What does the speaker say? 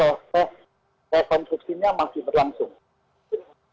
rekonstruksinya masih berlangsung